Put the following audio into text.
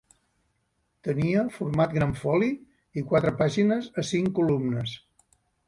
Tenia format gran foli i quatre pàgines a cinc columnes.